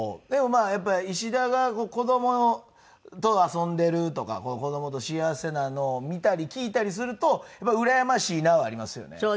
でもやっぱり石田が子供と遊んでるとか子供と幸せなのを見たり聞いたりするとうらやましいなはありますよね。